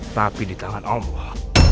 tapi di tangan allah